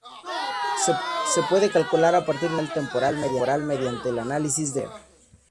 Se puede calcular a partir de una señal temporal mediante el análisis de Fourier.